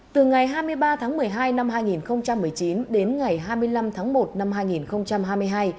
từ ngày hai mươi ba tháng một mươi hai năm hai nghìn một mươi chín đến ngày hai mươi năm tháng một năm hai nghìn hai mươi hai